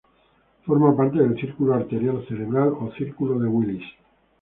Forma parte del círculo arterial cerebral o "círculo de Willis".